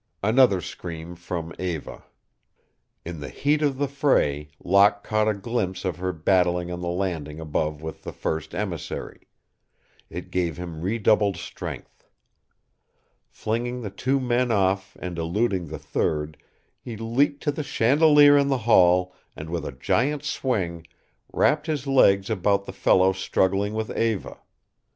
Another scream from Eva. In the heat of the fray Locke caught a glimpse of her battling on the landing above with the first emissary. It gave him redoubled strength. Flinging the two men off and eluding the third, he leaped to the chandelier in the hall and with a giant swing wrapped his legs about the fellow struggling with Eva.